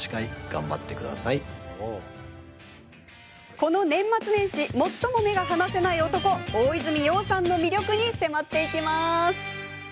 この年末年始最も目が離せない男大泉洋さんの魅力に迫ります。